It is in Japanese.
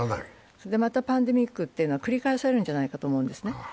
また、パンデミックというのは繰り返されるんじゃないかと思うんですね。